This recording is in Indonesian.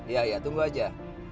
ya ya tunggu aja